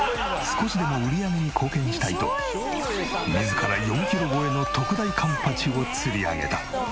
少しでも売り上げに貢献したいと自ら４キロ超えの特大カンパチを釣り上げた。